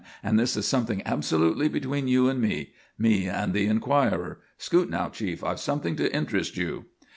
And this is something absolutely between you and me; me and the Enquirer. Scoot now, Chief. I've something to interest you."